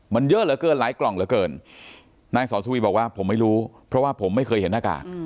มันเยอะเหลือเกินหลายกล่องเหลือเกินนายสอนสุวีบอกว่าผมไม่รู้เพราะว่าผมไม่เคยเห็นหน้ากาก